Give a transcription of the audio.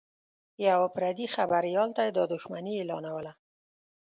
یوه پردي خبریال ته یې دا دښمني اعلانوله